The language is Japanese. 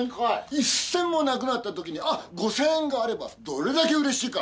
一銭もなくなった時にあっ５０００円があればどれだけ嬉しいか！